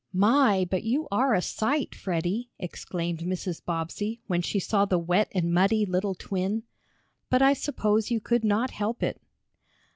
"My, but you are a sight, Freddie!" exclaimed Mrs. Bobbsey, when she saw the wet and muddy little twin. "But I suppose you could not help it."